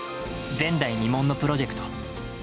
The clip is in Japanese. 前代未聞のプロジェクト。